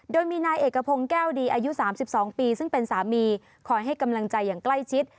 โดยมีนายเอกพงศ์แก้วดีอายุ๓๒ปีซึ่งเป็นสามีคอยให้กำลังใจอย่างใกล้ชิด